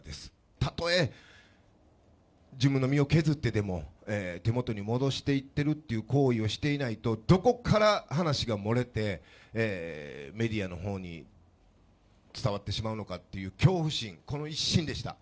たとえ自分の身を削ってでも、手元に戻していってるっていう行為をしていないと、どこから話が漏れて、メディアのほうに伝わってしまうのかっていう恐怖心、この一心でした。